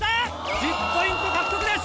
１０ポイント獲得です。